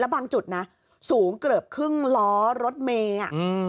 แล้วบางจุดนะสูงเกือบครึ่งล้อรถเมย์